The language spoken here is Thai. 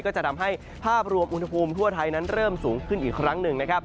ก็จะทำให้ภาพรวมอุณหภูมิทั่วไทยนั้นเริ่มสูงขึ้นอีกครั้งหนึ่งนะครับ